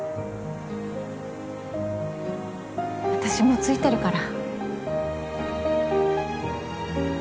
私もついてるから。